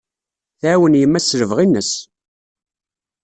Tɛawen yemma-s s lebɣi-nnes.